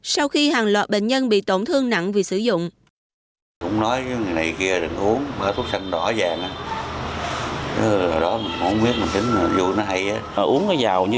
sau khi hàng loạt bệnh nhân bị tổn thương nặng vì sử dụng